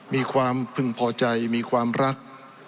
มีความพึงพอใจมีความรัก